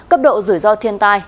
cấp độ rủi ro thiên tai